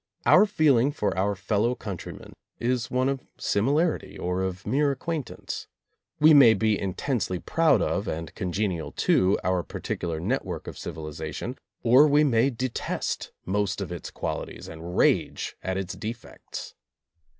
Our feeling for our fellow countrymen is one of similarity or of mere acquaintance. We may be intensely proud of and congenial to our particular network of civilization, or we may detest most of its qualities and rage at its defects.